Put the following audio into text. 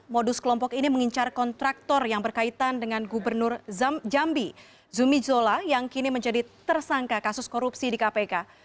modus kelompok ini mengincar kontraktor yang berkaitan dengan gubernur jambi zumi zola yang kini menjadi tersangka kasus korupsi di kpk